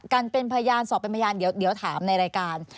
กันเป็นพยานสอบเป็นพยานเดี๋ยวถามในรายการ